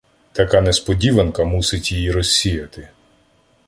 Така несподіванка мусить її розсіяти.